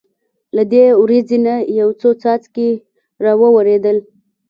له دې وریځې نه یو څو څاڅکي را وورېدل.